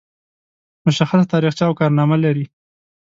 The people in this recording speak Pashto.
مشخصه تاریخچه او کارنامه لري.